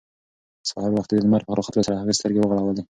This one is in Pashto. سهار وختي د لمر په راختلو سره هغې سترګې وغړولې.